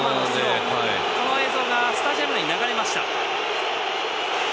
映像がスタジアム内に流れました。